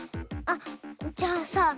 あっじゃあさ